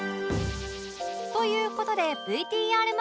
という事で ＶＴＲ 祭り